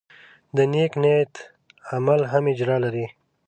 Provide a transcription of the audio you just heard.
د نیک نیت عمل هم اجر لري.